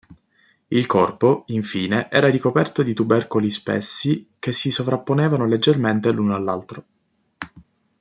Il corpo, infine, era ricoperto di tubercoli spessi che si sovrapponevano leggermente l'uno all'altro.